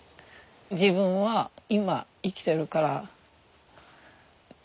自分は今生きてるからそれだけ。